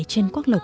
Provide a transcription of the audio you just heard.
trên quốc lộ